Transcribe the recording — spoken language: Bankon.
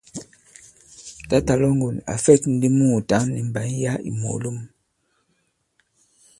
Tǎtà Lɔ̌ŋgon à fɛ̂k ndi mùùtǎŋ nì mbàn yǎ ì mòòlom.